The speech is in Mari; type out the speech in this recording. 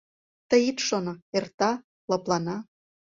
Тый ит шоно: эрта, лыплана.